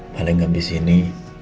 paling gak disini